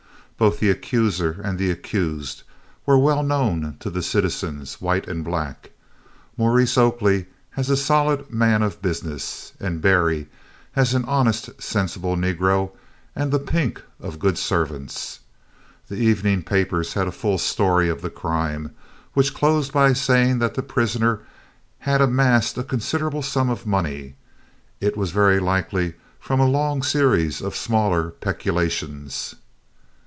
Both the accuser and the accused were well known to the citizens, white and black, Maurice Oakley as a solid man of business, and Berry as an honest, sensible negro, and the pink of good servants. The evening papers had a full story of the crime, which closed by saying that the prisoner had amassed a considerable sum of money, it was very likely from a long series of smaller peculations.